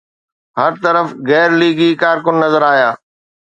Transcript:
هر طرف غير ليگي ڪارڪن نظر آيا.